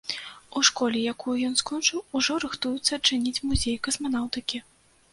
У школе, якую ён скончыў, ужо рыхтуюцца адчыніць музей касманаўтыкі.